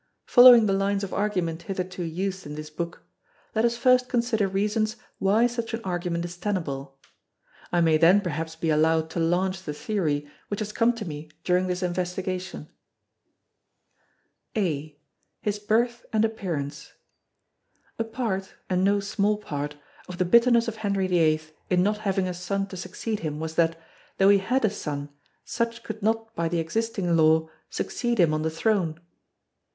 Following the lines of argument hitherto used in this book, let us first consider reasons why such an argument is tenable. I may then perhaps be allowed to launch the theory which has come to me during this investigation. (a) His Birth and Appearance A part and no small part of the bitterness of Henry VIII in not having a son to succeed him was that, though he had a son, such could not by the existing law succeed him on the throne.